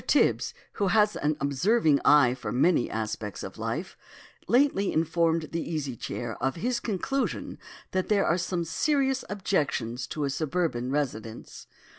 Tibs, who has an observing eye for many aspects of life, lately informed the Easy Chair of his conclusion that there are some serious objections to a suburban residence.